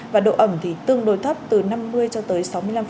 và độ ẩm thì tương đối thấp từ năm mươi cho tới sáu mươi năm